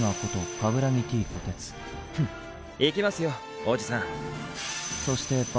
フン行きますよおじさん。